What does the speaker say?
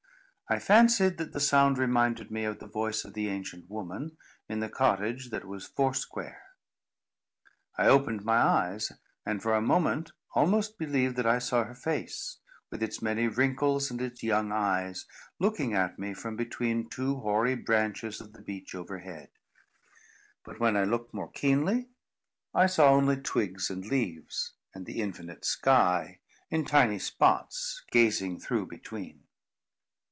I fancied that the sound reminded me of the voice of the ancient woman, in the cottage that was four square. I opened my eyes, and, for a moment, almost believed that I saw her face, with its many wrinkles and its young eyes, looking at me from between two hoary branches of the beech overhead. But when I looked more keenly, I saw only twigs and leaves, and the infinite sky, in tiny spots, gazing through between.